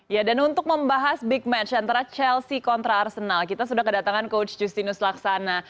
ya dan untuk membahas big match antara chelsea kontra arsenal kita sudah kedatangan coach justinus laksana